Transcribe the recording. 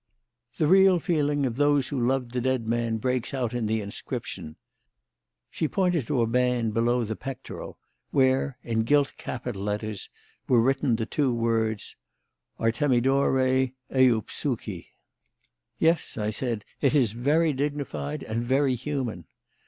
The real feeling of those who loved the dead man breaks out in the inscription." She pointed to a band below the pectoral, where, in gilt capital letters, was written the two words, "[Greek: ARTEMIDORE EUPsUChI]." "Yes," I said, "it is very dignified and very human."